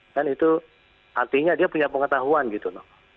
kan itu artinya dia punya pengetahuan gitu loh